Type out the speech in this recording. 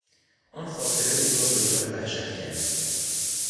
آن خاطره او را دچار وحشت کرد.